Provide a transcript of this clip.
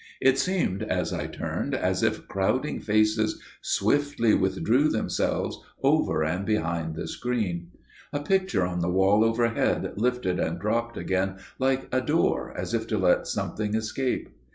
It seemed as I turned as if crowding faces swiftly withdrew themselves over and behind the screen. A picture on the wall overhead lifted and dropped again like a door as if to let something escape.